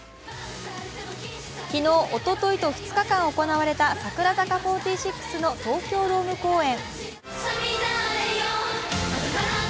昨日おとといと２日間行われた櫻坂４６の東京ドーム公演。